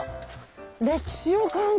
歴史を感じる。